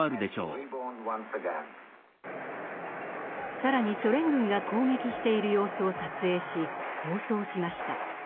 更にソ連軍が攻撃している様子を撮影し放送しました。